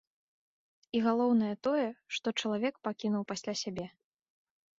І галоўнае тое, што чалавек пакінуў пасля сябе.